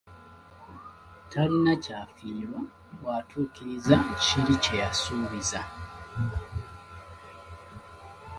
Talina kyafiirwa bw’atuukiriza kiri kye’yasuubiza.